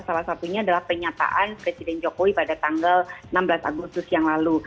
salah satunya adalah penyataan presiden jokowi pada tanggal enam belas agustus yang lalu